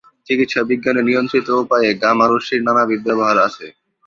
চিকিৎসা বিজ্ঞানে নিয়ন্ত্রিত উপায়ে গামা রশ্মির নানাবিধ ব্যবহার আছে।